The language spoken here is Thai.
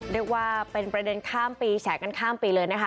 เรียกว่าเป็นประเด็นข้ามปีแฉกันข้ามปีเลยนะคะ